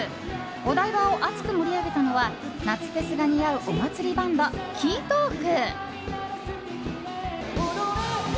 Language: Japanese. お台場を熱く盛り上げたのは夏フェスが似合うお祭りバンド、ＫＥＹＴＡＬＫ。